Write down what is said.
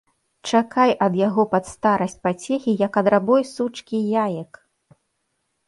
Чакай ад яго пад старасць пацехі, як ад рабой сучкі яек!